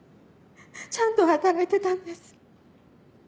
ちゃんと働いてたんです。